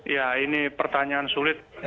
ya ini pertanyaan sulit